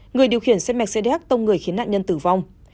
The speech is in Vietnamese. người điều khiển xe mercedes benz tông người khiến nạn nhân tử vong